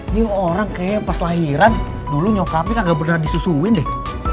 ini orang kayaknya pas lahiran dulu nyokapin kagak benar disusuin deh